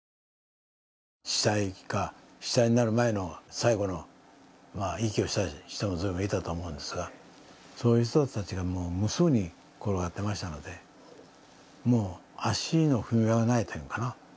死体か、死体になる前の最後の息をした人もいたがそういう人たちが、もう無数に転がっていましたので、足の踏み場がないというのかな。